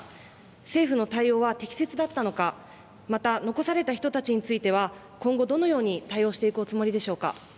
政府の対応は適正だったのかまた残された人たちについては今後、どのように対応していくおつもりでしょうか。